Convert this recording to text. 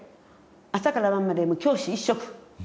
朝から晩までもう教師一色。